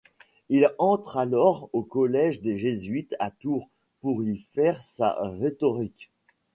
Il entre alors au collège des Jésuites à Tours pour y faire sa rhétorique.